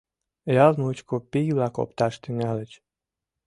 Ял мучко пий-влак опташ тӱҥальыч.